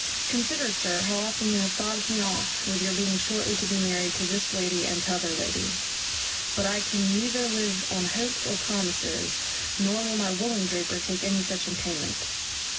Consider, sir, how often you have fobbed me off with your being shortly to be married to this lady and t'other lady; but I can neither live on hopes or promises, nor will my woollen draper take any such in payment.